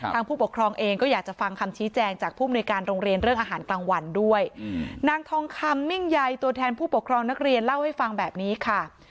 ผู้ปกครองเองก็อยากจะฟังคำชี้แจงจากผู้มนุยการโรงเรียนเรื่องอาหารกลางวันด้วยนางทองคำมิ่งใยตัวแทนผู้ปกครองนักเรียนเล่าให้ฟังแบบนี้ค่ะ